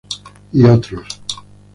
Y otros.